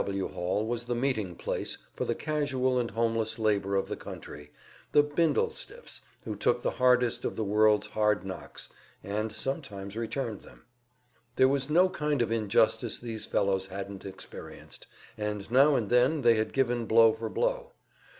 W. hall was the meeting place for the casual and homeless labor of the country, the "bindle stiffs" who took the hardest of the world's hard knocks, and sometimes returned them. There was no kind of injustice these fellows hadn't experienced, and now and then they had given blow for blow.